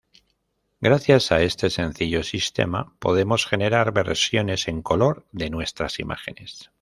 Gracias a este sencillo sistema podemos generar versiones en color de nuestras imágenes.